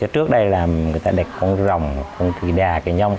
trước đây là người ta đặt con rồng con trùy đà con nhông